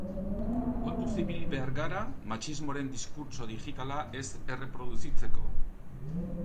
Kontuz ibili behar gara matxismoaren diskurtso digitala ez erreproduzitzeko.